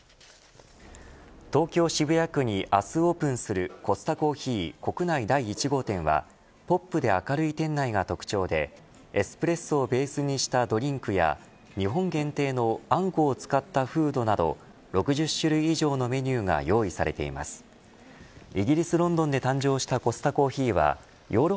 東京・渋谷区に明日オープンするコスタコーヒー国内第１号店はポップで明るい店内が特徴でエスプレッソをベースにしたドリンクや日本限定のあんこを使ったフードなど６０種類以上のメニューが「パーフェクトスティック」